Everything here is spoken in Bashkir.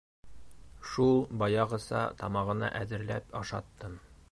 Шул, баяғыса, тамағына әҙерләп ашаттым.